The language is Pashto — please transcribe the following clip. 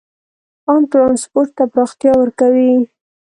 عام ټرانسپورټ ته پراختیا ورکوي.